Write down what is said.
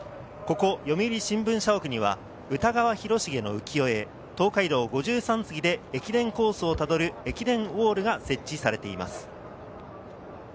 ここ読売新聞社屋には歌川広重の浮世絵、『東海道五十三次』で駅伝コースをたどる駅伝ウォールが設置されています。